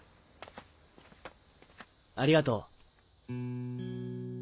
ありがとう。